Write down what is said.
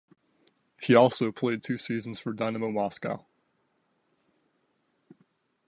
He also played two seasons for Dynamo Moscow.